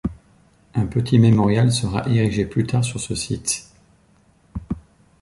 Un petit mémorial sera érigé plus tard sur ce site.